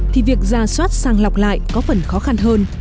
thì việc ra soát sang lọc lại có phần khó khăn hơn